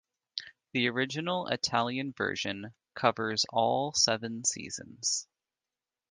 The original Italian version covers all seven seasons.